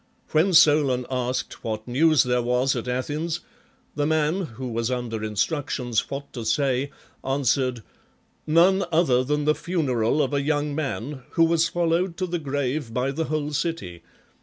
When Solon asked what news there was at Athens, the man, who was under instructions what to say, answered: "None other than the funeral of a young man, who was followed to the grave by the whole city.